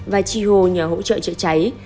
và chi hô nhờ hỗ trợ chữa cháy